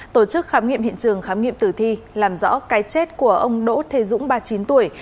tổ chức khám nghiệm hiện trường khám nghiệm tử thi làm rõ cái chết của ông đỗ thế dũng ba mươi chín tuổi